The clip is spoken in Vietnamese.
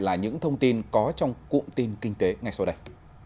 là những thông tin có trong cụm tin kinh tế ngay sau đây